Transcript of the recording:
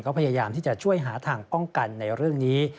ก็พยายามที่จะช่วยหาทางป้องกันในเรื่องนี้